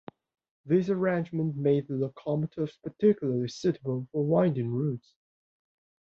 This arrangement made the locomotives particularly suitable for winding routes.